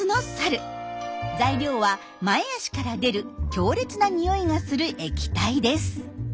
材料は前足から出る強烈なニオイがする液体です。